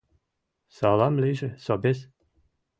Салам лийже, собес!